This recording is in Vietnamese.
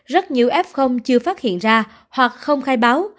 rất nhiều f chưa phát hiện ra hoặc không khai báo